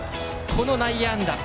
この内野安打。